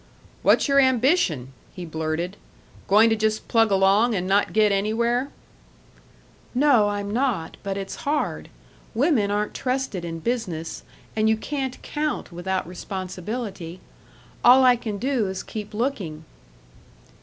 "What's your ambition?" he blurted. "Going to just plug along and not get anywhere?" "No, I'm not; but it's hard. Women aren't trusted in business, and you can't count without responsibility. All I can do is keep looking."